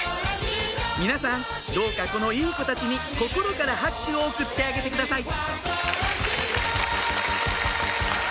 皆さんどうかこのいい子たちに心から拍手を送ってあげてください